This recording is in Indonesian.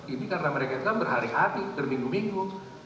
ini karena mereka itu kan berhari hari berminggu minggu